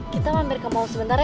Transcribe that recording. kita mampir ke mall sebentar ya